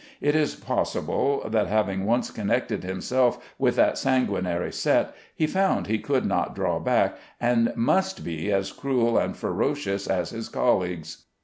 It is possible that, having once connected himself with that sanguinary set, he found he could not draw back, and must be as cruel and ferocious as his colleagues.